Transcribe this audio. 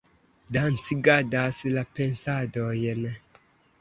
dancigadas la pensadojn